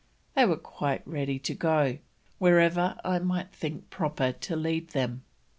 They were quite ready to go, "wherever I might think proper to lead them."